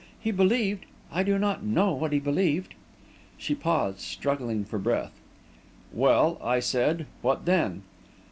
He believed I do not know what he believed." She paused, struggling for breath. "Well," I said; "what then?"